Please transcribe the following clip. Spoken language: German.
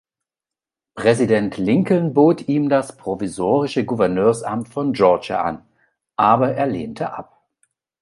Präsident Lincoln bot ihm das provisorische Gouverneursamt von Georgia an, aber er lehnte ab.